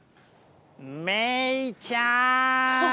めいちゃん。